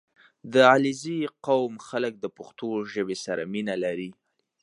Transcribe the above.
• د علیزي قوم خلک د پښتو ژبې سره مینه لري.